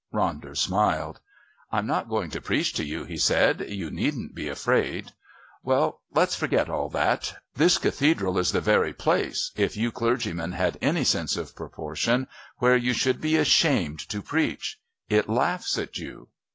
Ronder smiled. "I'm not going to preach to you," he said, "you needn't be afraid." "Well, let's forget all that. This Cathedral is the very place, if you clergymen had any sense of proportion, where you should be ashamed to preach. It laughs at you."